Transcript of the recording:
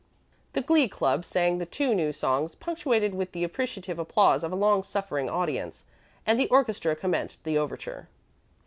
The glee club sang the two new songs, punctuated with the appreciative applause of a long suffering audience, and the orchestra commenced the overture.